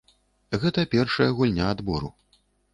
Гэта першая гульня адбору.